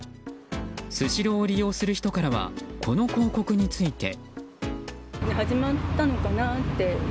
スシローを利用する人からはこの広告について。